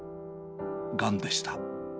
がんでした。